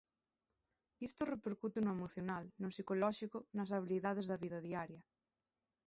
Isto repercute no emocional, no psicolóxico, nas habilidades da vida diaria.